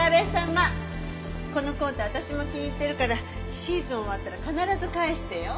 私も気に入ってるからシーズン終わったら必ず返してよ。